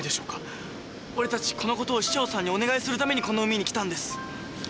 俺たちこのことを市長さんにお願いするためにこの海に来たんです。